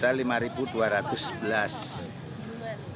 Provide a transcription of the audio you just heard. dan ini merupakan salah satu